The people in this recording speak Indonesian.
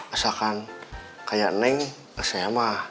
asalkan kayak neng sma